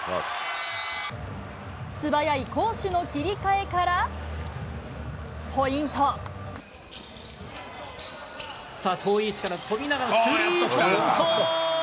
素早い攻守の切り替えから、さあ、遠い位置から跳びながら、スリーポイント。